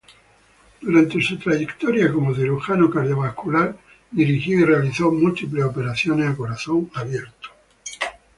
Durante su trayectoria como cirujano cardiovascular, dirigió y realizó múltiples operaciones a corazón abierto.